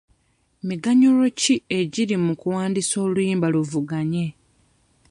Miganyulo ki egiri mu kuwandiisa oluyimba luvuganye?